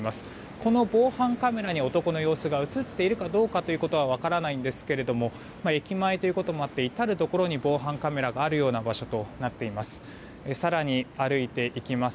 この防犯カメラに男の様子が映っているかどうかということは分からないんですが駅前ということもあって至るところに、防犯カメラがあるような場所になっています。